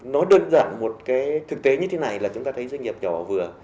nó đơn giản một cái thực tế như thế này là chúng ta thấy doanh nghiệp nhỏ và vừa